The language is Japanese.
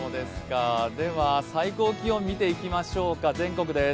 では、最高気温見ていきましょうか全国です。